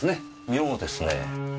妙ですねぇ。